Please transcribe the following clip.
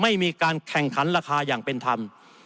ไม่มีการแข่งขันราคาอย่างเป็นธรรม